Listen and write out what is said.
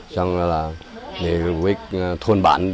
xong rồi là để với thôn bản